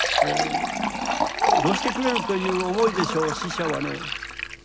どうしてくれるという思いでしょう死者はね。